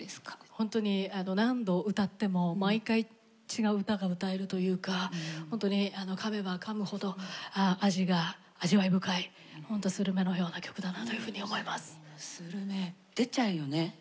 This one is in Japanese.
ほんとに何度歌っても毎回違う歌が歌えるというかほんとにかめばかむほど味わい深いほんとスルメのような曲だなというふうに思います。